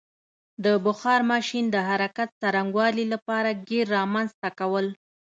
د بخار ماشین د حرکت څرنګوالي لپاره ګېر رامنځته کول.